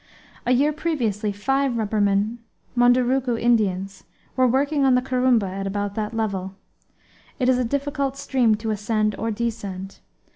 A year previously five rubbermen, Mundurucu Indians, were working on the Corumba at about that level. It is a difficult stream to ascend or descend.